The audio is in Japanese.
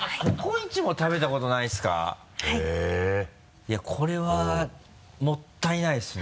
いやこれはもったいないですね。